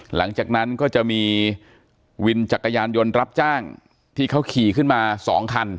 หลังจากนั้นก็จะมีวินจักรยานยนต์รับจ้างที่เขาขี่ขึ้นมา๒คัน